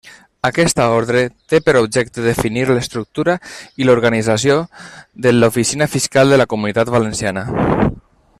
Aquesta ordre té per objecte definir l'estructura i l'organització de l'Oficina Fiscal a la Comunitat Valenciana.